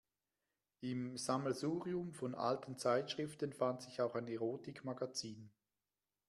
Im Sammelsurium von alten Zeitschriften fand sich auch ein Erotikmagazin.